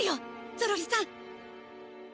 ゾロリさん！